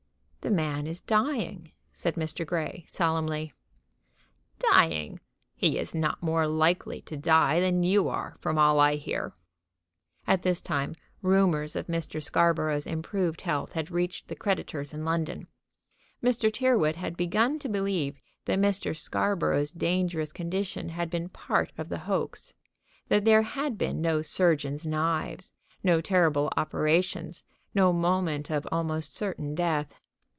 "The man is dying," said Mr. Grey, solemnly. "Dying! He is not more likely to die than you are, from all I hear." At this time rumors of Mr. Scarborough's improved health had reached the creditors in London. Mr. Tyrrwhit had begun to believe that Mr. Scarborough's dangerous condition had been part of the hoax; that there had been no surgeon's knives, no terrible operations, no moment of almost certain death.